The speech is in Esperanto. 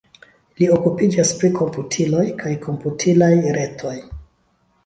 Li okupiĝas pri komputiloj kaj komputilaj retoj.